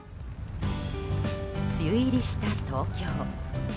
梅雨入りした東京。